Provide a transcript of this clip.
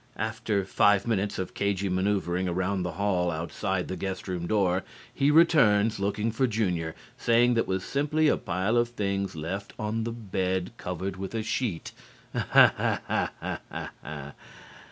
After five minutes of cagey manoeuvering around in the hall outside the guest room door, he returns looking for Junior, saying that it was simply a pile of things left on the bed covered with a sheet. "Aha ha ha ha ha!"